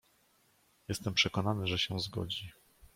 "Jestem przekonany, że się zgodzi."